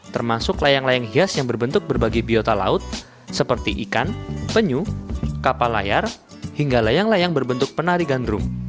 termasuk layang layang hias yang berbentuk berbagai biota laut seperti ikan penyu kapal layar hingga layang layang berbentuk penari gandrung